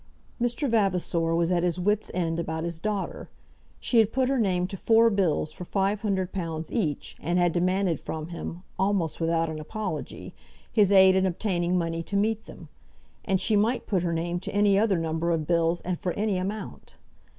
Mr. Vavasor was at his wits' end about his daughter. She had put her name to four bills for five hundred pounds each, and had demanded from him, almost without an apology, his aid in obtaining money to meet them. And she might put her name to any other number of bills, and for any amount!